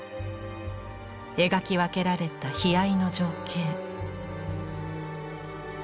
描き分けられた悲哀の情景。